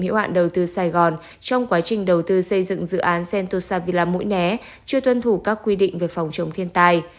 hiệu hạn đầu tư sài gòn trong quá trình đầu tư xây dựng dự án sentosa villa mũi né chưa tuân thủ các quy định về phòng trồng thiên tài